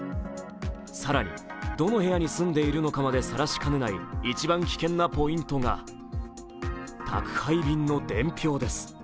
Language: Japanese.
更にどの部屋に住んでいるかまでさらしかねない一番危険なポイントが宅配便の伝票です。